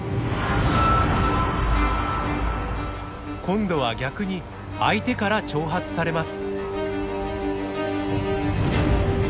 今度は逆に相手から挑発されます。